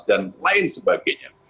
dan lain sebagainya